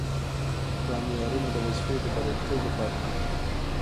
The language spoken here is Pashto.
دا معیارونه د وظیفې د بریالیتوب لپاره دي.